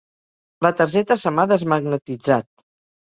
La targeta se m'ha desmagnetitzat.